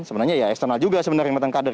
sebenarnya ya eksternal juga sebenarnya mantan kader